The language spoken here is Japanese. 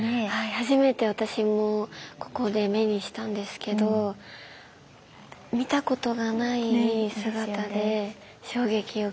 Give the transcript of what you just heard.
初めて私もここで目にしたんですけど見たことがない姿で衝撃を受けました。